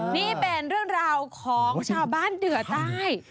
นี่เป็นเรื่องราวของชาวบ้านเดือใต้